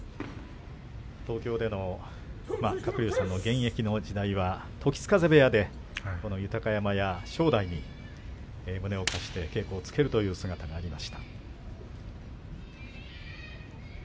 東京での鶴竜さんの現役の時代は時津風部屋でこの豊山や正代に胸を貸して稽古をつけるという姿がありました。